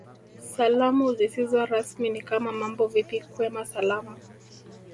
Salamu zisizo rasmi ni kama Mambo vipi kwema Salama